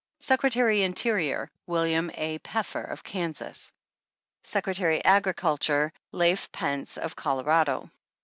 vSecretary Interior — William A. Peffer, of Kansas. Secretary Agriculture — Lafe Pence, of Colorado.